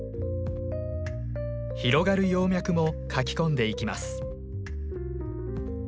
広がる葉脈も描き込んでいきます。